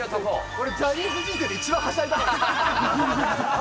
俺、ジャニーズ人生で一番はしゃいだかも。